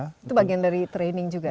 itu bagian dari training juga